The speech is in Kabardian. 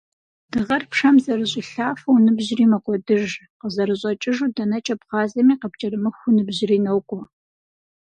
Дыгъэр пшэм зэрыщӏилъафэу, ныбжьри мэкӏуэдыж, къызэрыщӏэкӏыжу - дэнэкӏэ бгъазэми, къыпкӏэрымыхуу ныбжьри нокӏуэ.